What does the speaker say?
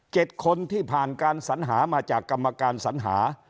เจ็ดคนที่ผ่านการสรรหามาจากกรรมการสรรหา